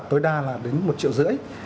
tối đa là đến một triệu rưỡi